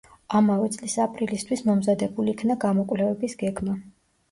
ამავე წლის აპრილისთვის მომზადებულ იქნა გამოკვლევების გეგმა.